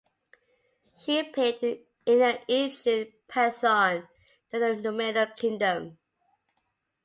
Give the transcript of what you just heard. She appeared in the Egyptian pantheon during the Middle Kingdom.